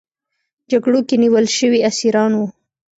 جګړو کې نیول شوي اسیران وو.